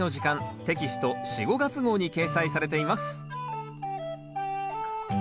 テキスト４・５月号に掲載されています